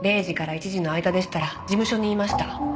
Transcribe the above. ０時から１時の間でしたら事務所にいました。